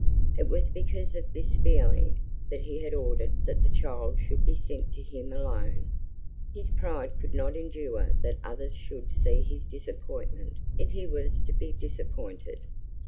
It was because of this feeling that he had ordered that the child should be sent to him alone. His pride could not endure that others should see his disappointment if he was to be disappointed.